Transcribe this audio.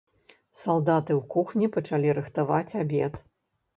Салдаты ў кухні пачалі рыхтаваць абед.